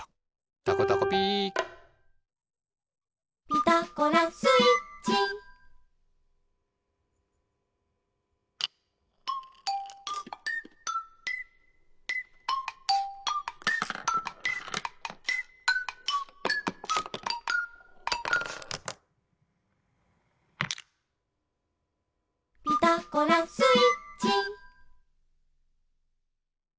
「たこたこピー」「ピタゴラスイッチ」「ピタゴラスイッチ」